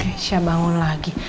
gesha bangun lagi